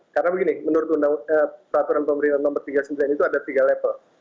karena begini menurut peraturan pemerintah nomor tiga puluh sembilan itu ada tiga level